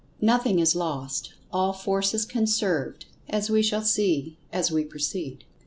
Nothing is lost—all force is conserved, as we shall see as we proceed.